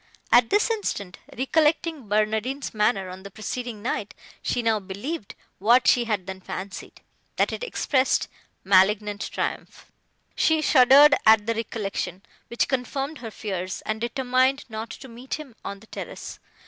At this instant, recollecting Barnardine's manner, on the preceding night, she now believed, what she had then fancied, that it expressed malignant triumph. She shuddered at the recollection, which confirmed her fears, and determined not to meet him on the terrace.